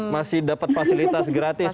masih dapat fasilitas gratis